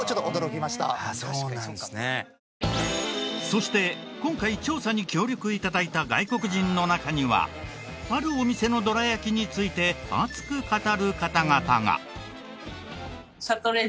そして今回調査に協力頂いた外国人の中にはあるお店のどら焼きについて熱く語る方々が。